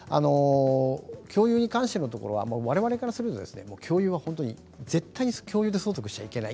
共有に関して言うとわれわれからすると共有は絶対に共有で相続してはいけない。